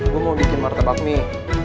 gue mau bikin martabak mie